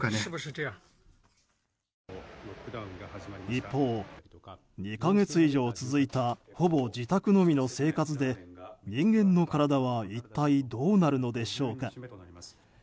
一方、２か月以上続いたほぼ自宅のみの生活で人間の体は一体どうなるのでしょうか。